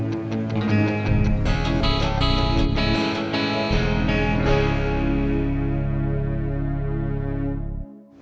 biar dia berpikir